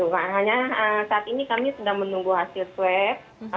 makanya saat ini kami sedang menunggu hasil swab